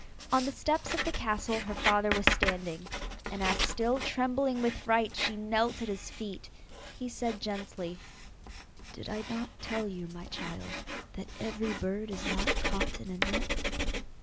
On the steps of the castle her father was standing, and as still trembling with fright she knelt at his feet, he said gently, 'Did I not tell you, my child, that every bird is not caught in a net?